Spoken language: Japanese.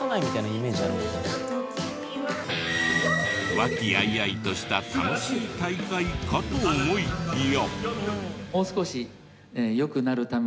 和気あいあいとした楽しい大会かと思いきや。